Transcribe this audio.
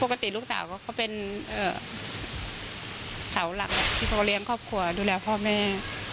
ปกติลูกสาวก็คือสาวหลังที่เค้าเลี้ยงครอบครัวดูแลพ่อแม่